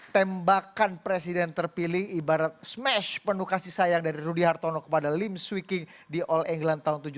tembakan presiden terpilih ibarat smash penuh kasih sayang dari rudy hartono kepada lim swi king di all england tahun seribu sembilan ratus tujuh puluh